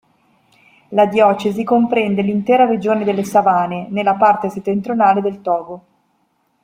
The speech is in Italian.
La diocesi comprende l'intera Regione delle Savane, nella parte settentrionale del Togo.